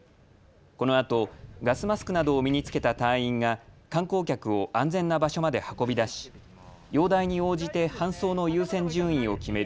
このあとガスマスクなどを身に着けた隊員が観光客を安全な場所まで運び出し容体に応じて搬送の優先順位を決める